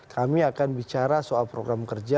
kami akan bicara soal program kerja